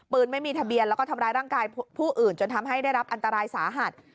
ไม่มีทะเบียนแล้วก็ทำร้ายร่างกายผู้อื่นจนทำให้ได้รับอันตรายสาหัส